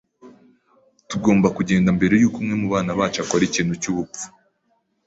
Tugomba kugenda mbere yuko umwe mubana bacu akora ikintu cyubupfu.